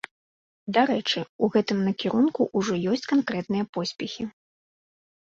Дарэчы, у гэтым накірунку ўжо ёсць канкрэтныя поспехі.